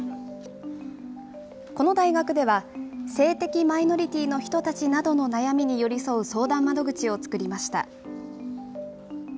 この大学では、性的マイノリティーの人たちなどの悩みに寄り添う相談窓口を作りました。